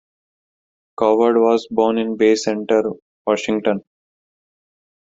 Cowherd was born in Bay Center, Washington.